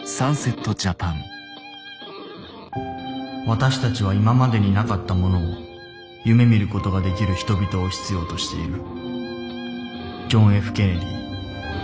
私たちは今までになかったものを夢見ることができる人々を必要としている。